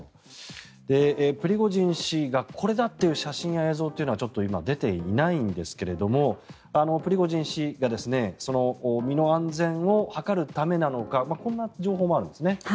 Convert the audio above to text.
プリゴジン氏がこれだという写真や映像というのはちょっと今出ていないんですがプリゴジン氏が身の安全を図るためなのかこんな情報もあるんですね。